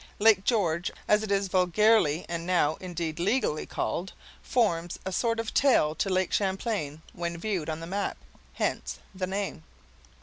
Lake George, as it is vulgarly, and now, indeed, legally, called, forms a sort of tail to Lake Champlain, when viewed on the map. Hence, the name.